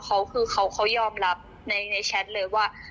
เขาคือเขายอมรับในแชทเลยว่า